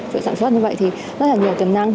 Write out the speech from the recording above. chuỗi sản xuất như vậy thì rất nhiều tiềm năng